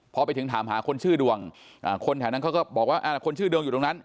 พอไปถึงถามหาคนชื่อดวงคนแถวนั้นเขาก็บอกว่าคนชื่อดวงอยู่ตรงนั้น